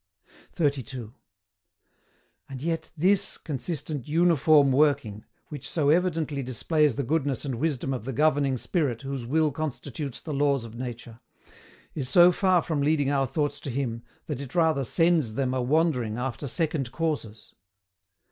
32. And yet THIS consistent UNIFORM WORKING, which so evidently displays the goodness and wisdom of that Governing Spirit whose Will constitutes the laws of nature, is so far from leading our thoughts to Him, that it rather SENDS THEM A WANDERING AFTER SECOND CAUSES.